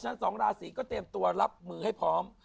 สองราศีก็เตรียมตัวรับมือให้พร้อม